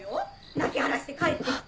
泣きはらして帰って来て！